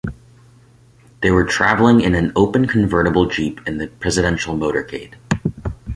They were traveling in an open convertible jeep in the presidential motorcade.